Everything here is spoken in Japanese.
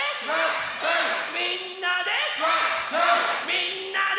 みんなで！